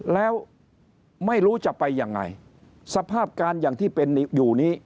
แล้วไม่รู้จะไปยังไงสภาพการอย่างที่เป็นอยู่นี้